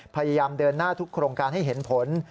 พยายามเดินหน้าทุกโครงการให้เห็นผล